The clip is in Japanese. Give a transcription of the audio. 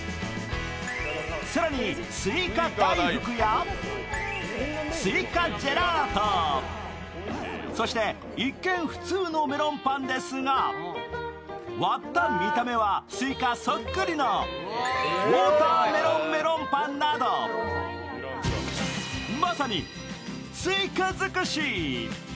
更に、すいか大福やすいかジェラート、そして、一見、普通のメロンパンですが、割った見た目はすいかそっくりのウォーターメロンメロンパンなどまさにすいか尽くし。